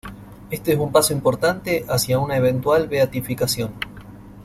Este es un paso importante hacia una eventual beatificación.